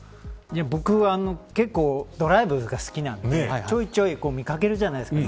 僕、結構ドライブが好きなんでちょいちょい見掛けるじゃないですか。